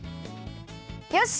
よし！